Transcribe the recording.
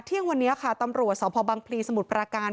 เที่ยงวันนี้ค่ะตำรวจสพบังพลีสมุทรประการ